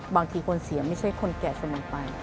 บางทีคนเสียไม่ใช่คนแก่เสมอไป